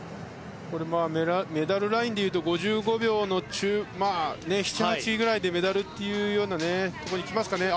メダルラインでいうと５５秒の７、８ぐらいでメダルというようなところにいきますかね。